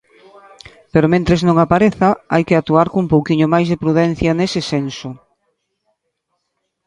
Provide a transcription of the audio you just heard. Pero mentres non apareza, hai que actuar cun pouquiño máis de prudencia nese senso.